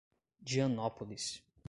Dianópolis